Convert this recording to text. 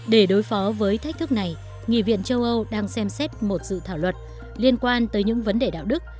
để đối phó với thách thức này nghị viện châu âu đang xem xét một dự thảo luật liên quan tới những vấn đề đạo đức